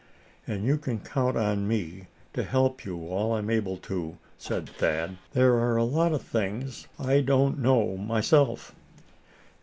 "And you can count on me to help you all I'm able to," said Thad. "There are a lot of things I don't know, myself.